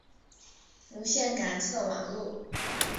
无线感测网路。